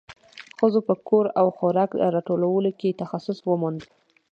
ښځو په کور او خوراک راټولولو کې تخصص وموند.